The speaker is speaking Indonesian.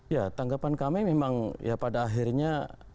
ya tanggapan kami memang ya pada akhirnya